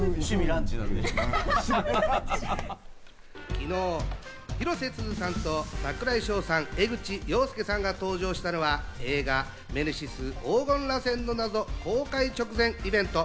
昨日、広瀬すずさんと櫻井翔さん、江口洋介さんが登場したのは、映画『ネメシス黄金螺旋の謎』公開直前イベント。